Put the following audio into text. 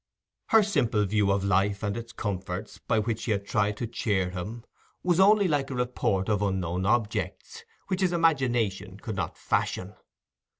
Her simple view of life and its comforts, by which she had tried to cheer him, was only like a report of unknown objects, which his imagination could not fashion.